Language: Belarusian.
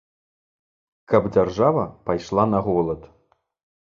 Каб дзяржава пайшла на голад.